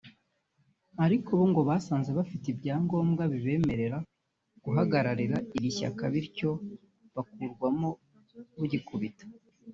ariko bo ngo basanze badafite ibyangombwa ribemerera guhagararira iri shyaka bityo bakurwamo rugikubita